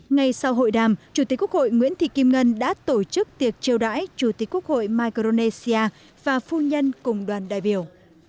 ngay sau hội đàm chủ tịch quốc hội nguyễn thị kim ngân đã tổ chức tiệc triều đãi chủ tịch quốc hội micronesia và phu nhân cùng đoàn đại biểu